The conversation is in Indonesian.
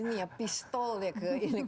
ada yang mau bawa pistol ke